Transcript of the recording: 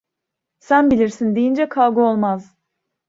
Sen bilirsin deyince kavga olmaz.